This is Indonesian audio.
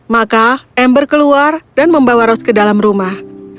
maka amber keluar dan membawa rose ke dalam rumah